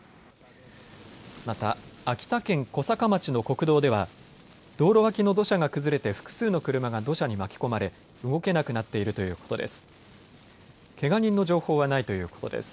また秋田県小坂町の国道では道路脇の土砂が崩れて複数の車が土砂に巻き込まれ動けなくなっているということです。